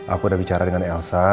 aku udah bicara dengan elsa